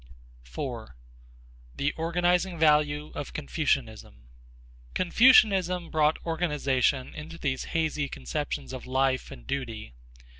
4. The Organizing Value of Confucianism Confucianism brought organization into these hazy conceptions of life and duty.